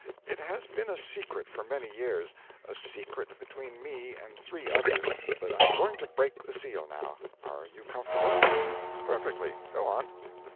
It has been a secret for many years a secret between me and three others; but I am going to break the seal now. Are you comfortable?' 'Perfectly. Go on.'